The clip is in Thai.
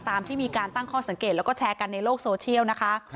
ที่มีการตั้งข้อสังเกตแล้วก็แชร์กันในโลกโซเชียลนะคะ